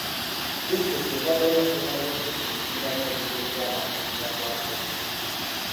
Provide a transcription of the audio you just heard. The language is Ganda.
Disitulikiti etaddewo empenda z'okuduukiriramu ebizibu by'abantu ebibagwako obugwi.